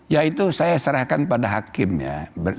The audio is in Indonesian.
ya itu saya serahkan pada hakim ya